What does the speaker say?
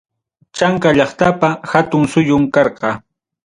Chanka llaqtapa hatun suyum karqa.